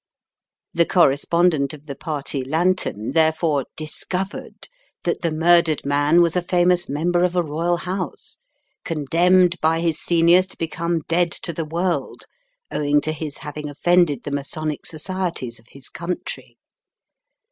The correspondent of the Party Lantern there* fore "discovered" that the murdered man was a famous member of a Royal house, condemned by his seniors to become dead to the world, owing to his having offended the masonic societies of his country.